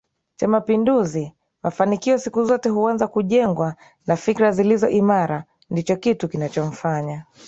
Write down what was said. Cha Mapinduzi mafanikio siku zote huanza kujengwa na fikra zilizo imara ndicho kitu kinachomfanya